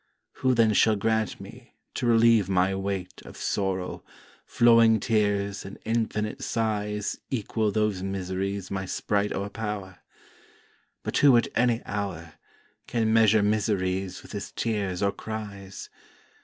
Who then shall grant me, to relieve my weight Of sorrow, flowing tears and infinite sighs Equal those miseries my Sprite o'erpower? But who at any hour, Can measure miseries with his tears or cries?